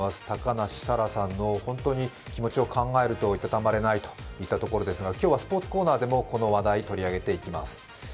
高梨沙羅さんの本当に気持ちを考えるといたたまれないといったところですが今日はスポーツコーナーでもこの話題、取り上げていきます。